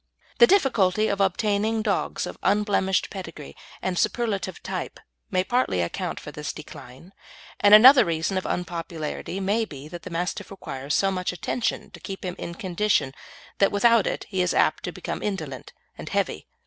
The difficulty of obtaining dogs of unblemished pedigree and superlative type may partly account for this decline, and another reason of unpopularity may be that the Mastiff requires so much attention to keep him in condition that without it he is apt to become indolent and heavy.